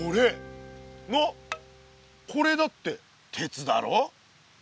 なっこれだって鉄だろ。